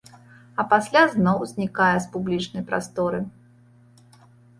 А пасля зноў знікае з публічнай прасторы.